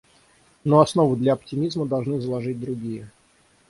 Но основу для оптимизма должны заложить другие.